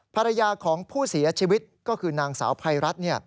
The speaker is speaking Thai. ภรรยาของผู้เสียชีวิตก็คือนางสาวภัยรัฐ